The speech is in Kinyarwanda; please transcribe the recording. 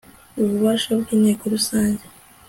ububasha bw inteko rusange